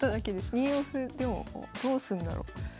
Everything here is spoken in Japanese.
２四歩でもどうすんだろう。